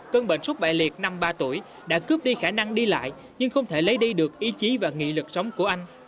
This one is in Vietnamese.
cơn bệnh suốt bại liệt năm ba tuổi đã cướp đi khả năng đi lại nhưng không thể lấy đi được ý chí và nghị lực sống của anh